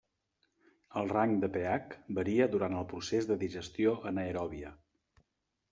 El rang de pH varia durant el procés de digestió anaeròbia.